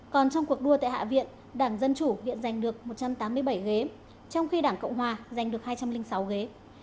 còn trong cuộc đua tại hạ viện đảng dân chủ hiện giành được một trăm tám mươi bảy ghế trong khi đảng cộng hòa giành được hai trăm linh sáu ghế